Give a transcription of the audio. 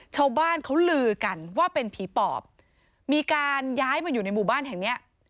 ชาวบ้านเขาลือกันว่าเป็นผีปอบมีการย้ายมาอยู่ในหมู่บ้านแห่งเนี้ย